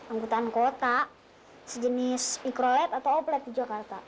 angkutan kota sejenis mikrolet atau oblet di jakarta